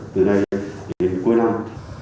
từ nay đến cuối năm